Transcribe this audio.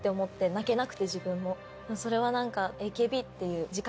それは何か。